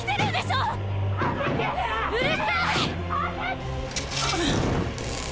うるさい！！